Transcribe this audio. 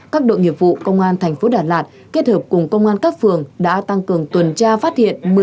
các đội nghiệp vụ công an thành phố đà lạt kết hợp cùng công an các phường đã tăng cường tuần tra phát hiện